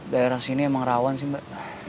daerah sini emang rawan sih mbak